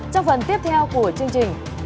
trong phần tiếp theo của chương trình